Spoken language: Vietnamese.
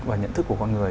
và nhận thức của con người